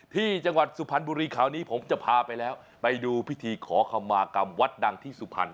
ที่จังหวัดสุพรรณบุรีคราวนี้ผมจะพาไปแล้วไปดูพิธีขอคำมากรรมวัดดังที่สุพรรณ